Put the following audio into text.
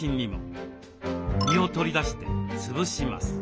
身を取り出してつぶします。